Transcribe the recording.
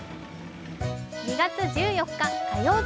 ２月１４日火曜日。